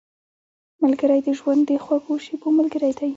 ملګری د ژوند د خوږو شېبو ملګری دی